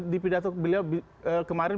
di pidato beliau kemarin